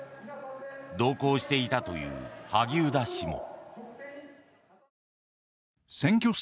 同行していたという萩生田氏も。